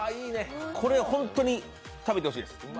これほんとに食べてほしいです。